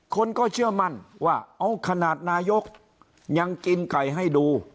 คนก็เชื่อมั่นว่าเอาขนาดนายกยังกินไก่ให้ดู